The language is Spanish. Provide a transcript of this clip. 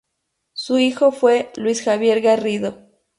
Su hijo fue Luis Javier Garrido.